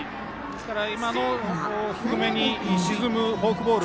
今の低めに沈むフォークボール。